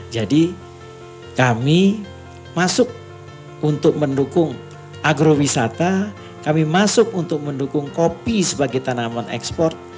jadi kami masuk untuk mendukung agrowisata kami masuk untuk mendukung kopi sebagai tanaman ekspor